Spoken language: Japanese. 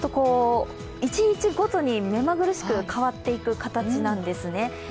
一日ごとに目まぐるしく変わっていく形なんですね。